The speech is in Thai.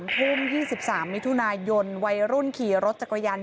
ทุ่ม๒๓มิถุนายนวัยรุ่นขี่รถจักรยาน